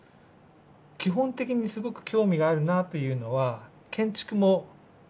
基本的にすごく興味があるなというのは建築も同じなんですね。